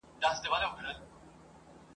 لا اوس هم نه يې تر ځايه رسېدلى !.